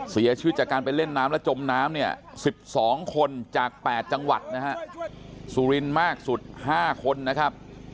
เสียชีวิตจากการไปเล่นน้ำแล้วจมน้ำเนี่ย๑๒คนจาก๘จังหวัดนะฮะสุรินทร์มากสุด๕คนนะครับ